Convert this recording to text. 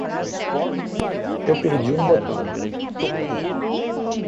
Eu perdi um botão!